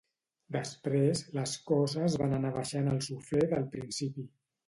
Després, les coses van anar baixant el suflé del principi.